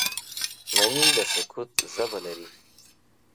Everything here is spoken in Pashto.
مني د سکوت ژبه لري